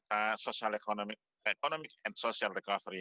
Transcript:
saya pikir ada masalah dalam koneksi